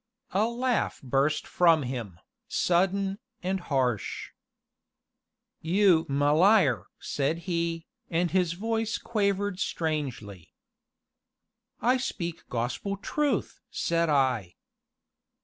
A laugh burst from him, sudden, and harsh. "You 'm a liar!" said he, and his voice quavered strangely. "I speak gospel truth!" said I.